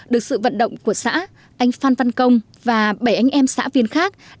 được sự vận động của xã anh phan văn công và bảy anh em xã viên khác